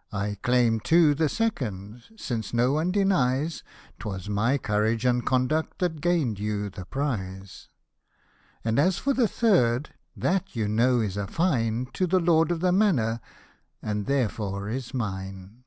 " I claim too the second ; since no one denies 'Twas my courage and conduct that gain'd you the prize: And as for the third ; that you know is a fine To the lord of the manor, and therefore is mine.